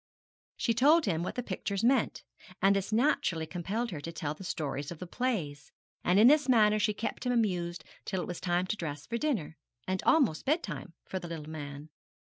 She told him what the pictures meant, and this naturally compelled her to tell the stories of the plays, and in this manner she kept him amused till it was time to dress for dinner, and almost bedtime for the little man.